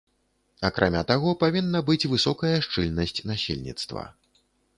Акрамя таго, павінна быць высокая шчыльнасць насельніцтва.